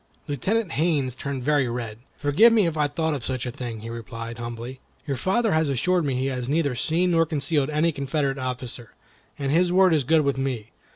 Lieutenant Haines turned very red. "Forgive me if I thought of such a thing," he replied, humbly. "Your father has assured me he has neither seen nor concealed any Confederate officer, and his word is good with me.